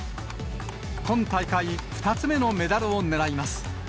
今大会２つ目のメダルを狙います。